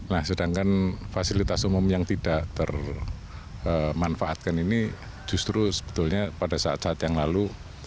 nah sedangkan fasilitas umum yang tidak termanfaatkan ini justru sebetulnya pada saat saat yang lalu